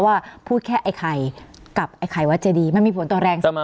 ว่าพูดแค่ไอ้ไข่กับไอ้ไข่วัดเจดีมันมีผลต่อแรงใช่ไหม